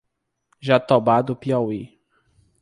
Jatobá do Piauí